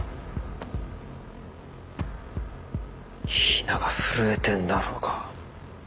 ヒナが震えてんだろうが。